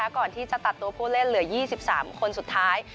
ก่อนที่จะตัดตัวผู้เล่นเหลือ๒๓คนสุดท้าย